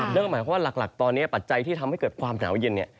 นั่นก็หมายความว่าหลักตอนนี้ปัจจัยที่ทำให้เกิดความหนาวเย็น